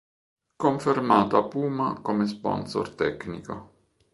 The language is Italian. Confermata Puma come sponsor tecnico.